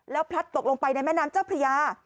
พลัดตกลงไปในแม่น้ำเจ้าพระยา